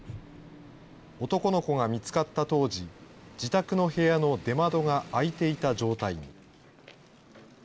男の子が見つかった当時、自宅の部屋の出窓が開いていた状態に。